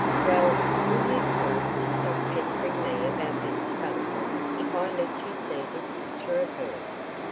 "Well, will you promise to stop pestering me about Betsy Butterfly if I let you see this picture of her?"